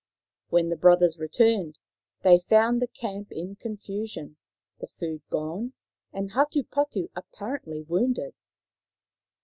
When the brothers returned they found the camp in confusion, the food gone, and Hatupatu apparently wounded.